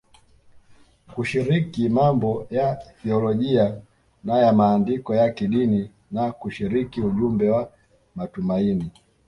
kushiriki mambo ya thiolojia na ya maandiko ya kidini na kushiriki ujumbe wa matumaini.